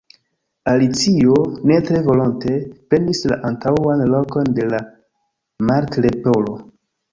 Alicio, ne tre volonte, prenis la antaŭan lokon de la Martleporo.